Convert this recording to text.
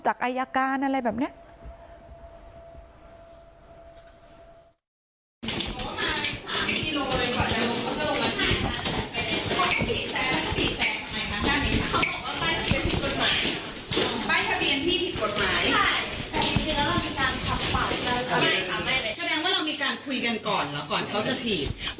การทำปากก็ไม่ทำไม่เลยฉะนั้นว่าเรามีการคุยกันก่อนแล้วก่อนเขาก็ถีก